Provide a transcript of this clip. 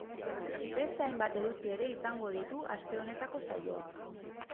Beste hainbat eduki ere izango ditu aste honetako saioak.